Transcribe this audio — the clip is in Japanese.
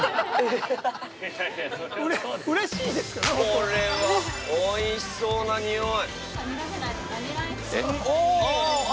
◆これは、おいしそうな匂い。